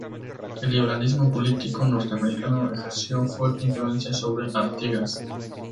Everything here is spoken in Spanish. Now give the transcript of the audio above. El liberalismo político norteamericano ejerció fuerte influencia sobre Artigas.